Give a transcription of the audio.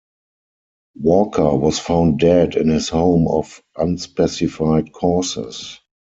Walker was found dead in his home of unspecified causes.